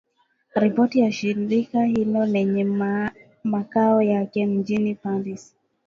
Ripoti ya shirika hilo lenye makao yake mjini Paris